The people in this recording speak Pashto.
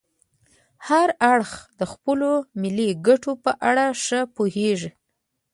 هر اړخ د خپلو ملي ګټو په اړه ښه پوهیږي